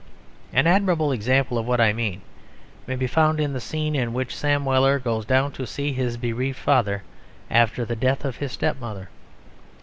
An admirable example of what I mean may be found in the scene in which Sam Weller goes down to see his bereaved father after the death of his step mother.